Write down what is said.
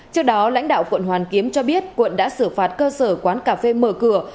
trước đó lãnh đạo quận hoàn kiếm cho biết quận đã xử phạt cơ sở quán cà phê mở cửa